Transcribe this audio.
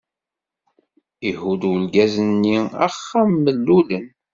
Ihudd urgaz-nni axxam mellulen.